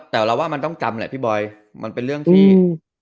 แต่เราว่ามันต้องจำแหละพี่บอยมันเป็นเรื่องที่